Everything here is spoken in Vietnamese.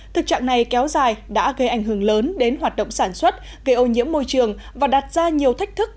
thực trạng này kéo dài đã gây ảnh hưởng lớn đến hoạt động sản xuất gây ô nhiễm môi trường và đặt ra nhiều thách thức